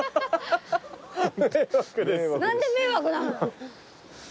何で迷惑なの！